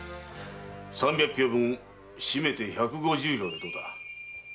三百俵ぶんしめて百五十両でどうだ？